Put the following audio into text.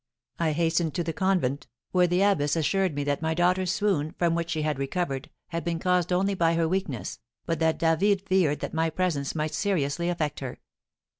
I hastened to the convent, where the abbess assured me that my daughter's swoon, from which she had recovered, had been caused only by her weakness, but that David feared that my presence might seriously affect her.